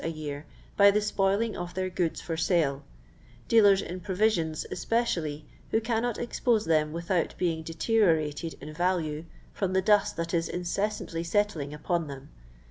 a year by the spoiling of their goods for sale; dealers in provisions especially, who cannot expose them without bein^ de teriorated in value, from the dust that is in cessantly settling upon them.